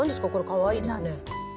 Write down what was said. かわいいですね。